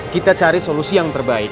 kita cari solusi yang terbaik